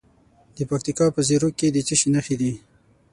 د پکتیکا په زیروک کې د څه شي نښې دي؟